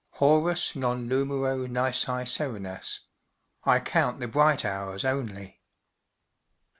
" Horas non numero nisi serenas ” (I count the bright hours only).